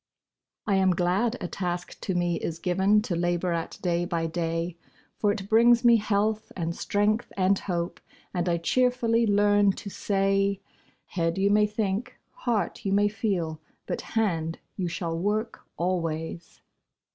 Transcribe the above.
I am glad a task to me is given To labor at day by day; For it brings me health, and strength, and hope, And I cheerfully learn to say 'Head, you may think; heart, you may feel; But hand, you shall work always!'